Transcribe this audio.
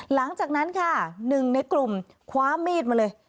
หลังจากนั้นค่ะหนึ่งในกลุ่มคว้ามีดมาเลย